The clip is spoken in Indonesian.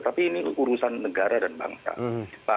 tapi ini urusan negara dan bangsa